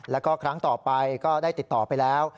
แล้วก็ครั้งต่อไปก็ได้ติดต่อไปแล้ว